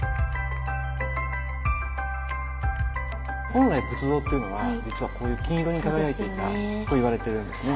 本来仏像っていうのは実はこういう金色に輝いていたといわれてるんですね。